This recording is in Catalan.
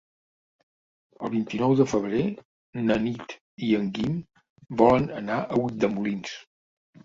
El vint-i-nou de febrer na Nit i en Guim volen anar a Ulldemolins.